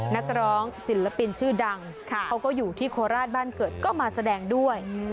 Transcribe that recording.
นักร้องศิลปินชื่อดังเขาก็อยู่ที่โคราชบ้านเกิดก็มาแสดงด้วย